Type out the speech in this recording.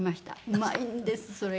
うまいんですそれが。